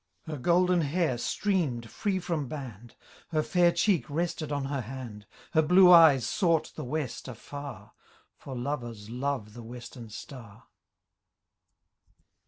Her golden hair streamed free from band. Her faxt cheek rested on her hand. Her blue eyes sought the west a&r. For lovers love the western star.